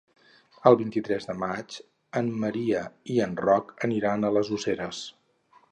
El vint-i-tres de maig en Maria i en Roc aniran a les Useres.